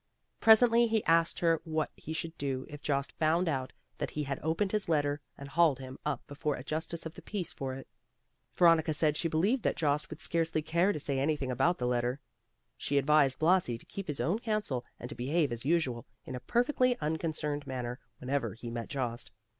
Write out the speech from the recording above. Presently he asked her what he should do if Jost found out that he had opened his letter and hauled him up before a Justice of the Peace for it. Veronica said she believed that Jost would scarcely care to say anything about the letter. She advised Blasi to keep his own counsel, and to behave as usual, in a perfectly unconcerned manner, whenever he met Jost.